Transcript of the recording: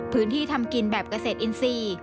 พื้นที่ทำกินแบบเกษตรอินทรีย์